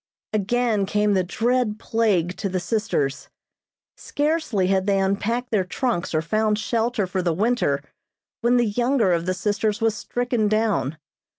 Again came the dread plague to the sisters. Scarcely had they unpacked their trunks or found shelter for the winter when the younger of the sisters was stricken down.